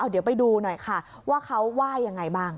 เดี๋ยวไปดูหน่อยค่ะว่าเขาว่ายังไงบ้าง